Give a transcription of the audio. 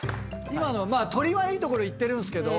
今のまあ鳥はいいところいってるんすけど。